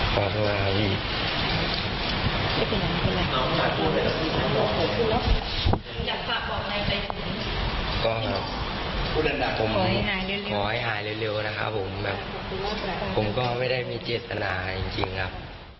ผมก็ไม่ได้มีเจษนาจริงครับ